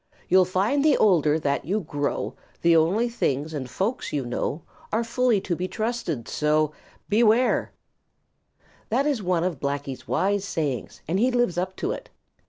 You'll find the older that you grow That only things and folks you know Are fully to be trusted, so Beware! Blacky the Crow. That is one of Blacky's wise sayings, and he lives up to it.